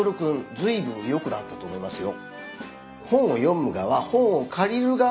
ずいぶんよくなったと思いますよ。